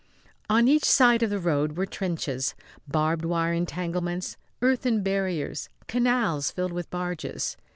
On each side of the road were trenches, barbed wire entanglements, earthen barriers, canals filled with barges.